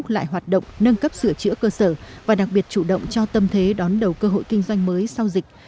lại hoạt động nâng cấp sửa chữa cơ sở và đặc biệt chủ động cho tâm thế đón đầu cơ hội kinh doanh mới sau dịch